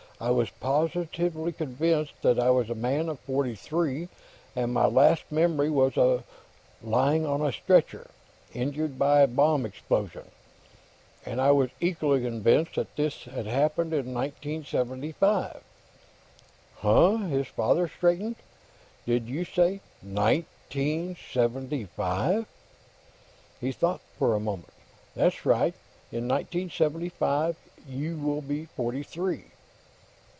"I was positively convinced that I was a man of forty three, and my last memory was of lying on a stretcher, injured by a bomb explosion. And I was equally convinced that this had happened in 1975." "Huh?" His father straightened. "Did you say nineteen seventy five?" He thought for a moment. "That's right; in 1975, you will be forty three.